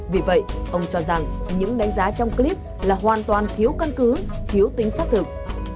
vì vậy ông cho rằng những đánh giá trong clip là hoàn toàn thiếu căn cứ thiếu tính xác thực